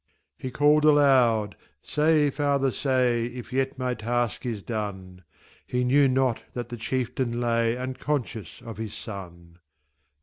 He called aloud, "Say, father, say If yet my task is done?" He knew not that the chieftain lay Unconscious of his son.